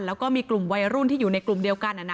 แล้วก็มีกลุ่มวัยรุ่นที่อยู่ในกลุ่มเดียวกัน